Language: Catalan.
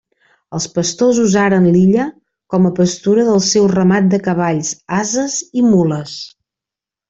Els pastors usaren l'illa com a pastura del seu ramat de cavalls, ases i mules.